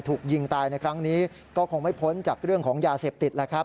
ถูกยิงตายในครั้งนี้ก็คงไม่พ้นจากเรื่องของยาเสพติดแล้วครับ